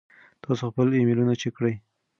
تاسو خپل ایمیلونه چیک کړئ.